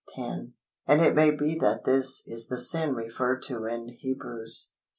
10. And it may be that this is the sin referred to in Hebrews vi.